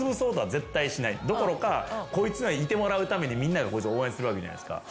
どころかこいつにはいてもらうためにみんながこいつを応援するわけじゃないですか。